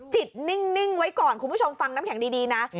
จิตนิ่งไว้ก่อนคุณผู้ชมฟังน้ำแข็งดีนะ